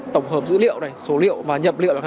tổng hợp dữ liệu này số liệu và nhập liệu